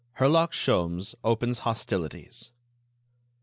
HERLOCK SHOLMES OPENS HOSTILITIES.